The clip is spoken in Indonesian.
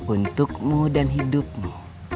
untukmu dan hidupmu